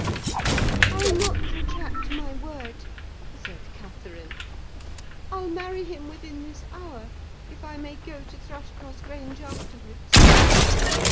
"I'll not retract my word," said Catherine. "I'll marry him within this hour, if I may go to Thrushcross Grange afterwards.